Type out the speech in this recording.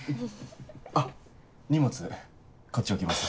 あっ荷物こっち置きます。